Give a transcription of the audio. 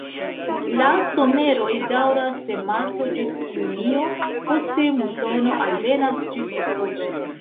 La someroj daŭras de marto ĝis junio, poste musono alvenas ĝis oktobro.